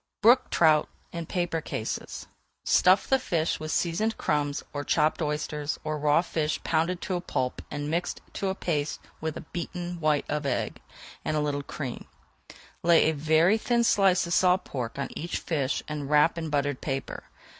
BROOK TROUT IN PAPER CASES Stuff the fish with seasoned crumbs or chopped oysters or raw fish pounded to a pulp and mixed to a paste with the beaten white of egg [Page 421] and a little cream. Lay a very thin slice of salt pork on each fish and wrap in buttered paper.